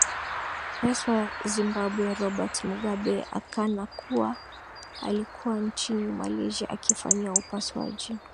rais wa zimbabwe robert mugabe akana kuwa alikuwa nchini malaysia akifanyiwa upasuaji